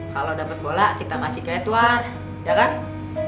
kalau dapet bola kita kasih ke edward